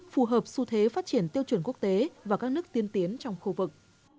phù hợp xu thế phát triển tiêu chuẩn quốc tế và các nước tiên tiến trong khu vực